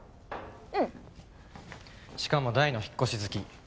うんしかも大の引っ越し好き